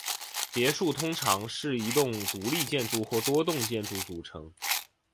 别墅通常是一栋独立建筑或多栋建筑组成。